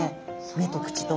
目と口と。